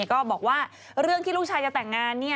ก็บอกว่าเรื่องที่ลูกชายจะแต่งงาน